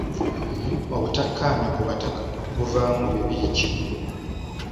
Obutakkaanya ku bataka buvaamu bibi ki?